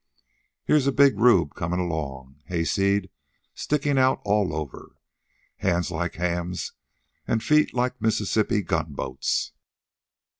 Here's a big rube comin' along, hayseed stickin' out all over, hands like hams an' feet like Mississippi gunboats.